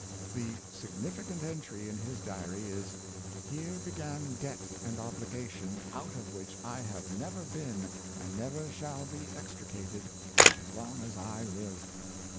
The significant entry in his diary is, " Here began debt and obligation, out of which I have never been and never shall be extricated as long as I live."